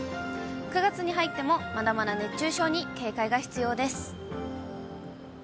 ９月に入っても、まだまだ熱中症に警戒が必要です。